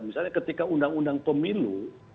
misalnya ketika undang undang pemilu